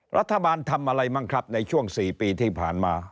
รัฐบาลทำอะไรบ้างครับในช่วง๔ปีที่ผ่านมา